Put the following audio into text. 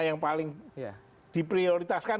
yang paling diprioritaskan